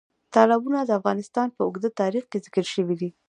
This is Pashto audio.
تالابونه د افغانستان په اوږده تاریخ کې ذکر شوي دي.